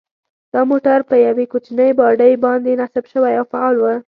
دا موټر په یوې کوچنۍ باډۍ باندې نصب شوی او فعال و.